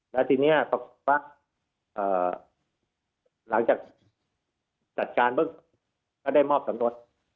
และทีนี้เขาถูกว่าหลังจากจัดการก็ได้มอบสำรวจ